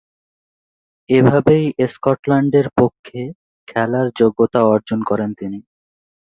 এভাবেই স্কটল্যান্ডের পক্ষে খেলার যোগ্যতা অর্জন করেন তিনি।